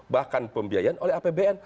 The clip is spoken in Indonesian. bahkan pembiayaan oleh apbn